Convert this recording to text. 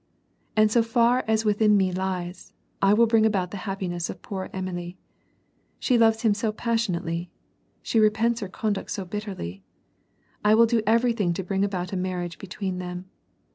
And so far as within me lies, I will bring about the happiness of poor Am61ie. She loves him so passionately. She repents her conduct so bitterly. I will do everytliing to bring about a marriage between them.